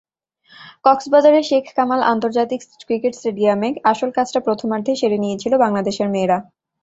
কক্সবাজারের শেখ কামাল আন্তর্জাতিক ক্রিকেট স্টেডিয়ামে আসল কাজটা প্রথমার্ধেই সেরে নিয়েছিল বাংলাদেশের মেয়েরা।